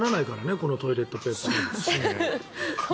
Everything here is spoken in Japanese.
このトイレットペーパーの芯は。